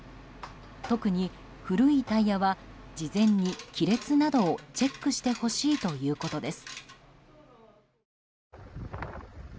特に古いタイヤは事前に亀裂などをチェックしてほしいということです。